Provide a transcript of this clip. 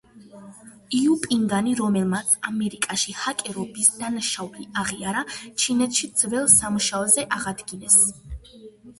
იუ პინგანი, რომელმაც ამერიკაში ჰაკერობის დანაშაული აღიარა, ჩინეთში ძველ სამუშაოზე აღადგინეს.